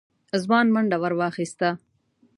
ځوان منډه ور واخيسته.